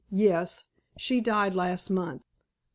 Yes. She died last month."